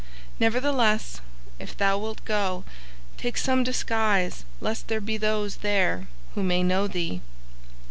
Nevertheless, if thou wilt go, take some disguise lest there be those there who may know thee."